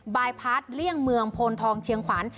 บายพาร์ทเลี่ยงเมืองโพนทองเชียงขวัญ